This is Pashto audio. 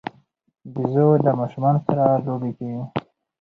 بيزو د ماشومانو سره لوبې کوي.